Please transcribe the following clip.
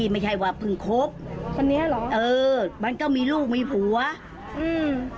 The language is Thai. ไม่ใช่ว่าเพิ่งคบคนนี้เหรอเออมันก็มีลูกมีผัวอืม